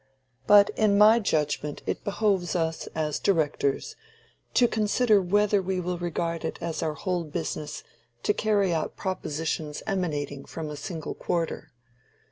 "But in my judgment it behoves us, as Directors, to consider whether we will regard it as our whole business to carry out propositions emanating from a single quarter.